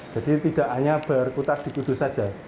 jadi tidak hanya berkutas di kudus saja